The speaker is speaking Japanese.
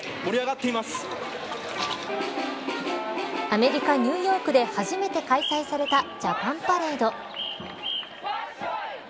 アメリカ、ニューヨークで初めて開催されたジャパン・パレード。